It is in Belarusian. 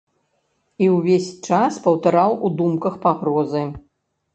І ўвесь час паўтараў у думках пагрозы.